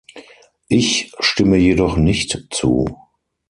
Ich stimme jedoch nicht zu.